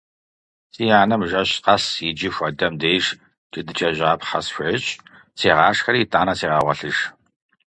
Си анэм жэщ къэс иджы хуэдэм деж джэдыкӀэжьапхъэ схуещӀ, сегъашхэри, итӀанэ сегъэгъуэлъыж.